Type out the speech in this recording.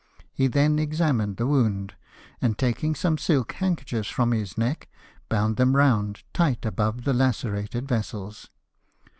He then examined the wound, and taking some silk handkerchiefs from his neck bound them round tight above the lacerated vessels.